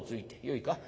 よいか。